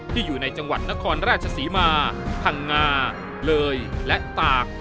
อยู่ในจังหวัดนครราชศรีมาพังงาเลยและตาก